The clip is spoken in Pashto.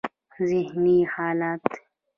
ذهني حالت: